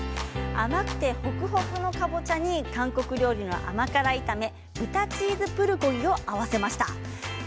甘くて、ほくほくのかぼちゃに韓国料理の甘辛炒め豚チーズプルコギを合わせました。